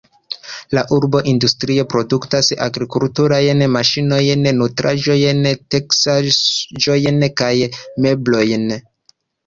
La urbo industrie produktas agrikulturajn maŝinojn, nutraĵojn, teksaĵojn kaj meblojn.